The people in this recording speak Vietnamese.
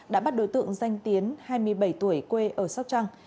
đã bắt đối tượng danh tiến hai mươi bảy tuổi quê ở sóc trăng